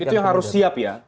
itu yang harus siap ya